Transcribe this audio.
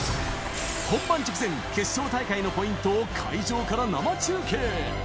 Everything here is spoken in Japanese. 本番直前、決勝大会のポイントを会場から生中継。